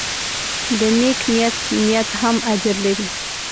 د نیک نیت نیت هم اجر لري.